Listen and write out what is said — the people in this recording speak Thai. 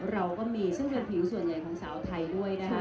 เราก็มีซึ่งเป็นผิวส่วนใหญ่ของสาวไทยด้วยนะคะ